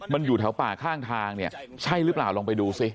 มันอยู่แถวป่าข้างทางเนี่ยใช่หรือเปล่าลองไปดูสิ